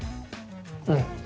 うん。